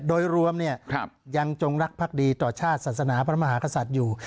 โดยรวมยังจงรักภักดีต่อชาติศาสนาพระมหากษัตริย์อยู่